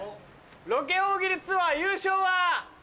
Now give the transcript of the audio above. ロケ大喜利ツアー優勝は。